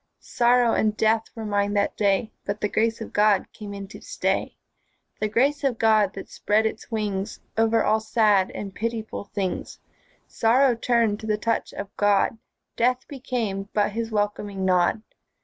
Sorrow and death were mine that day, But the Grace of God came in to stay; The Grace of God that spread its wings Over all sad and pitiful things. Sorrow turned to the touch of God, Death became but His welcoming nod.